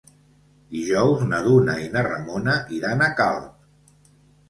Dijous na Duna i na Ramona iran a Calp.